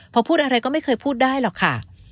พอพูดอะไรก็ไม่เคยพูดได้หรอกค่ะ